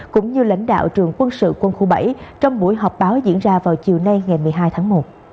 cũng như lãnh đạo trường quân sự quân khu bảy trong buổi họp báo diễn ra vào chiều nay ngày một mươi hai tháng một